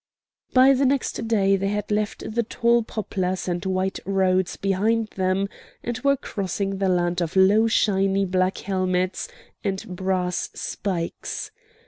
By the next day they had left the tall poplars and white roads behind them, and were crossing the land of low shiny black helmets and brass spikes.